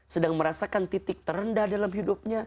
sedang merasakan titik terendah dalam hidupnya